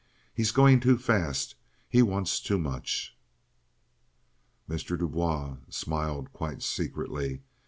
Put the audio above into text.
He's going too fast. He wants too much." Mr. Du Bois smiled quite secretly.